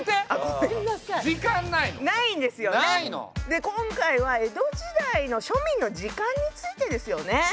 で今回は江戸時代の庶民の時間についてですよね。